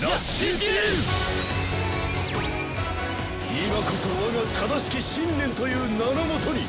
今こそ我が正しき信念という名のもとに！